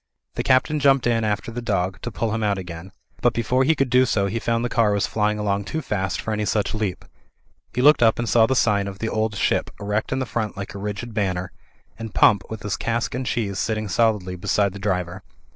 The Captain jumped in after the dog, u,y,u.«u by Google CREATURE THAT MAN FORGETS 177 to pull him out again. But before he could do so, he found the car was flying along too fast for any such leap. He looked up and saw the sign of "The Old Ship" erect in the front like a rigid banner; and Pump, with his cask and cheese, sitting solidly beside the driver.